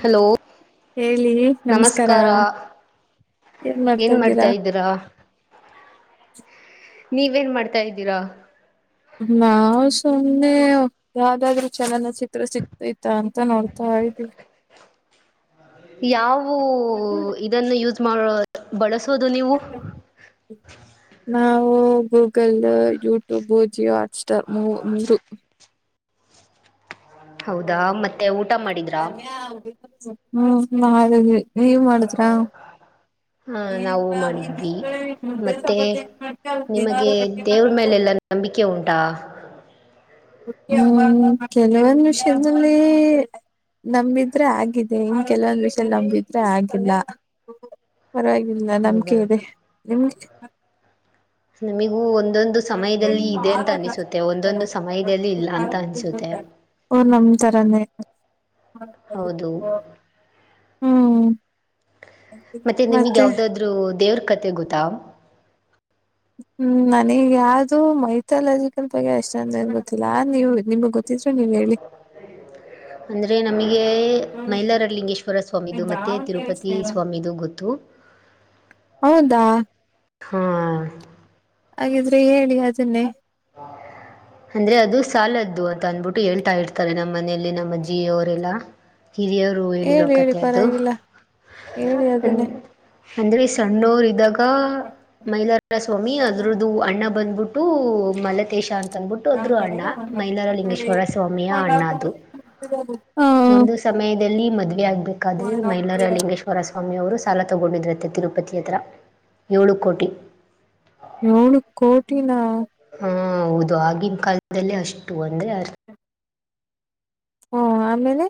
hello ಹೇಳಿ ನಮಸ್ಕಾರ ನಮಸ್ಕಾರಾ ಏನ್ ಮಾಡ್ತಾ ಇದ್ದೀರಾ ನೀವೇನ್ ಮಾಡ್ತಾ ಇದ್ದೀರಾ ನಾವ್ ಸುಮ್ನೆ ಯಾವ್ದಾದ್ರು ಚಲನಚಿತ್ರ ಸಿಗತೈತ ಅಂತ ನೋಡ್ತ ಯಾವು ವು ಇದನ್ನು ಯೂಸ್ ಮಾಡುವುದು ಬಳಸುವುದು ನೀವು ಇದನ್ನು ನಾವು Google YouTube Jio Hotstar ಮೂರು ಹೌದಾ ಮತ್ತೆ ಮತ್ತೆ ಊಟ ಮಾಡುದ್ರಾ ಹೂ ಮಾಡುದ್ವಿ ನೀವು ಮಾಡಿದ್ರಾ ಹಾ ನಾವು ಮಾಡಿದ್ವಿ ಈಗ ಮುದ್ದೆ ಮತ್ತೆ ಚಪಾತಿ ಏನ್ ಮಾಡ್ತೀಯಾ ಅಲ್ಲಿ ದಿನಲೂ ನಿಮಗೆ ರೊಟ್ಟಿ ದೇವ್ರ ಮಾಡ್ಬೇಕು ಮೇಲೆಲ್ಲ ನಂಬಿಕೆ ಉಂಟಾ ಹೂ ಕೆಲವೊಂದು ವಿಷಯದಲ್ಲಿ ನಂಬಿದ್ರೆ ಆಗಿದೆ ಇನ್ ಕೆಲವೊಂದ್ ವಿಷಯದಲ್ಲಿ ನಂಬಿದ್ರೆ ಆಗಿಲ್ಲ ಪರವಾಗಿಲ್ಲ ನಂಬಿಕೆ ಹೌದಾ ಇದೆ ನಿಮ್ಗೆ ನಮಿಗೂ ಒಂದೊಂದು ಸಮಯದಲ್ಲಿ ಇದೆ ಅಂತ ಅನಿಸುತ್ತೆ ಒಂದೊಂದು ಸಮಯದಲ್ಲಿ ಇಲ್ಲ ಅಂತ ಅನ್ಸುತ್ತೆ ಅವರು ನಂತರನೇ ಹೌದು ಹೂ ಮತ್ತೆ ನಿಮಗೆ ಯಾವುದಾದ್ರು ದೇವ್ರ ಕಥೆ ಗೊತ್ತಾ ಹೂ ನನಗ್ ಯಾವ್ದು ಮೈಥಾಲಜಿಕಲ್ ಬಗ್ಗೆ ಅಷ್ಟು ಏನ್ ಗೊತ್ತಿಲ್ಲಾ ನೀವು ನಿಮ್ಗ್ ಗೊತ್ತಾ ಗೊತ್ತಿದ್ರೆ ನೀವ್ ಹೇಳಿ [unintelligible] ಅಂದರೆ ನಮಗೆ ಮೈಲಾರ ಲಿಂಗೇಶ್ವರ ಸ್ವಾಮಿದು ಮತ್ತೆ ತಿರುಪತಿ ಸ್ವಾಮಿದು ಗೊತ್ತು [unintelligible] ಹೌದಾ ಹೂ ಹಾಗಿದ್ರೆ ಹೇಳಿ ಅದನ್ನೇ [unintelligible] ಅಂದ್ರೆ ಅದು ಸಾಲದ್ದು ಅಂತ ಅಂದ್ಬಿಟ್ಟು ಹೇಳ್ತಾ ಇರ್ತಾರೆ ನಮ್ಮ ಮನೆಯಲ್ಲಿ ನಮ್ಮ ಅಜ್ಜಿವರೆಲ್ಲಾ ಹಿರಿಯರು ಹೇಳಿರೋ ಹೇಳಿ ಹೇಳಿ ಕಥೆ ಅದು ಪರವಾಗಿಲ್ಲ ಹೇಳಿ ಅದನ್ನೆ ಅಂದ್ರೆ ಸಣ್ಣವರಿದ್ದಾಗ ಮೈಲಾರ ಸ್ವಾಮಿ ಅದ್ರದ್ದು ಹಣ ಬಂದ್ಬಿಟ್ಟು ಟು ಮಾಲತೇಶಾ ತಂದ್ಬಿಟ್ಟು ಹೋದ್ರು ಅಣ್ಣ ಮೈಲಾರಲಿಂಗೇಶ್ವರ ಸ್ವಾಮಿಯ ಅಣ್ಣ ಅದು ಹ ಒಂದು ಸಮಯದಲ್ಲಿ ಮದ್ವೆ ಆಗ್ಬೇಕಾದ್ರೆ ಮೈಲಾರಲಿಂಗೇಶ್ವರ ಅವರ ಸ್ವಾಮಿಯವರು ಸಾಲ ತಾಕೊಂಡಿದ್ರಂತೆ ತಿರುಪತಿ ಹತ್ರ ಏಳು ಕೋಟಿ ಏಳು ಕೋಟಿನ ಹಾ ಹೌದು ಆಗಿನ ಕಾಲದಲ್ಲಿ ಅಷ್ಟು ಅಂದ್ರೆ ಹೂ ಆಮೇಲೆ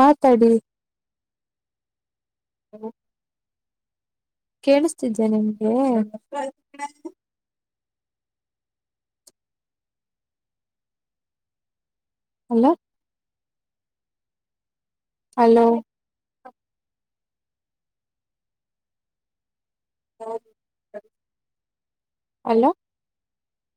ಮಾತಾಡಿ ಕೇಳಿಸ್ತಿದಿಯಾ ನಿಮ್ಗೆ ಹಲೋ ಹಲೋ ಹಲೋ